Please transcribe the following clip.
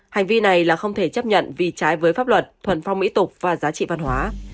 hành vi này là không thể chấp nhận vì trái với pháp luật thuần phong mỹ tục và giá trị văn hóa